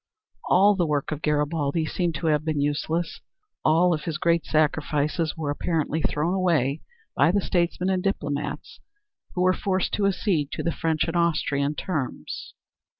All the work of Garibaldi seemed to have been useless. All of his great sacrifices were apparently thrown away by the statesmen and diplomats who were forced to accede to the French and Austrian terms.